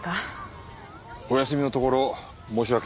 お休みのところ申し訳ありません。